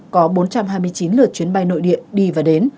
có bốn trăm hai mươi chín lượt chuyến bay nội địa đi và đến